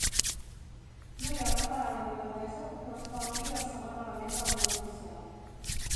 No hi ha una paraula irlandesa que correspongui al segon element del nom oficial.